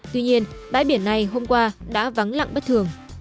tuy nhiên bãi biển này hôm qua đã vắng lặng bất thường